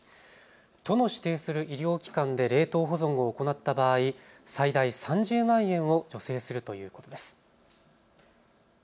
都の指定する医療機関で冷凍保存を行った場合、最大３０万円を助成するということです。